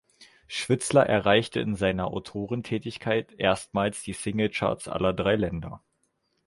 Schwizler erreichte in seiner Autorentätigkeit erstmals die Singlecharts aller drei Länder.